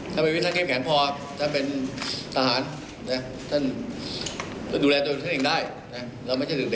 เจ้าก็จ้องเขาไงเขาก็ต้องการตีแตกจัดถัด